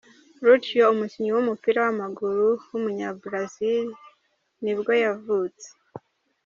Lúcio, umukinnyi w’umupira w’amaguru w’umunyabrazil nibwo yavutse.